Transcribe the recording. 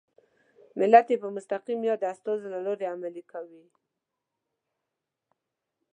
ملت یې په مستقیم یا د استازو له لارې عملي کوي.